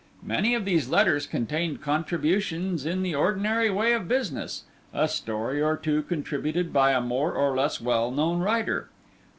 Many of these letters contained contributions in the ordinary way of business, a story or two contributed by a more or less well known writer.